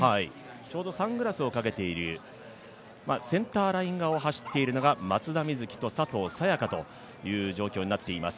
ちょうどサングラスをかけている、センターライン側を走ってるのが松田瑞生と佐藤早也伽という状況になっています。